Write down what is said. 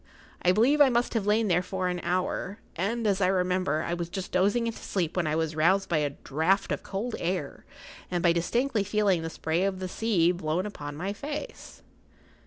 I believe I must have lain there for an hour,[Pg 41] and, as I remember, I was just dozing into sleep when I was roused by a draught of cold air and by distinctly feeling the spray of the sea blown upon my face.